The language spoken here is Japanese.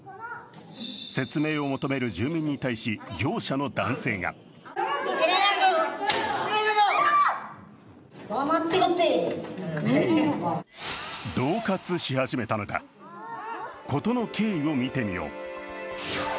説明を求める住民に対し、業者の男性がどう喝し始めたのだ、事の経緯を見てみよう。